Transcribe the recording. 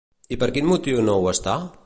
I per quin motiu no ho està?